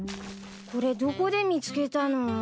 これどこで見つけたの？